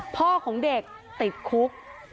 พ่อของเด็กติดคุก